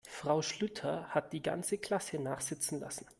Frau Schlüter hat die ganze Klasse nachsitzen lassen.